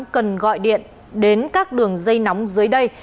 cần gọi điện đến các đường dây nóng dưới đây